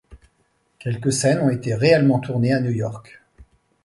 Quelques scènes ont été réellement tournées à New York.